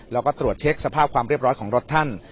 แล้วก็ตรวจเช็คสภาพความเรียบร้อยของรถท่าน